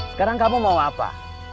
sekarang kamu mau apa